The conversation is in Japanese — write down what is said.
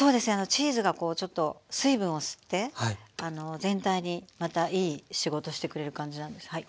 チーズがちょっと水分を吸って全体にまたいい仕事してくれる感じなんです。